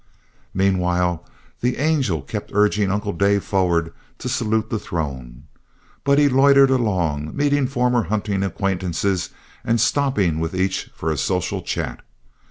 "Meanwhile the angel kept urging Uncle Dave forward to salute the throne. But he loitered along, meeting former hunting acquaintances, and stopping with each for a social chat.